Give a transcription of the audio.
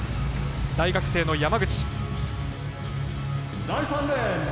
大学生の山口。